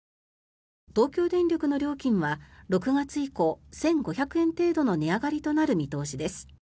東京電力の料金は６月以降１５００円程度の値上がりとなる見通しです。